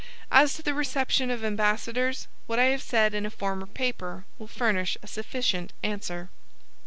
As to the reception of ambassadors, what I have said in a former paper will furnish a sufficient answer.